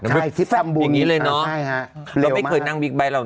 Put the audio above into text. ใช่ซิปซัมบูนใช่ค่ะเราไม่เคยนั่งบิ๊กไบต์หรอก